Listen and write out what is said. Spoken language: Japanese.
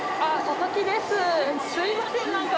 すいません何か。